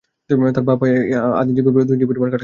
তার বাঁ পায়ে আধা ইঞ্চি গভীর দুই ইঞ্চি পরিমাণ কাটা ছিল।